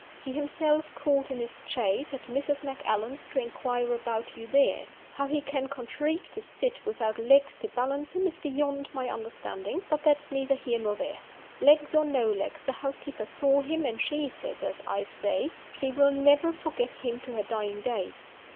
He himself called in his chaise, at Mrs. Macallan's, to inquire about you there. How he can contrive to sit, without legs to balance him, is beyond my understanding but that is neither here nor there. Legs or no legs, the housekeeper saw him, and she says, as I say, she will never forget him to her dying day.